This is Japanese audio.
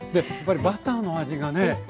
やっぱりバターの味がね